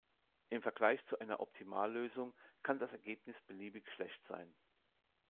Im Vergleich zu einer Optimallösung kann das Ergebnis beliebig schlecht sein.